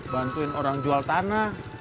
bantuin orang jual tanah